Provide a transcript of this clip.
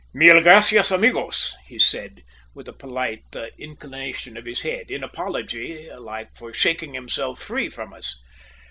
"Mil gracias, amigos," he said, with a polite inclination of his head, in apology like for shaking himself free from us.